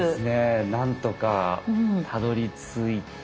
なんとかたどりついて。